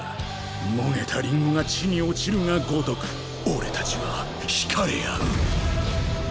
もげたリンゴが地に落ちるがごとく俺たちは惹かれ合う。